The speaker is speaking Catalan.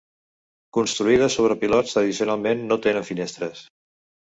Construïdes sobre pilots, tradicionalment no tenen finestres.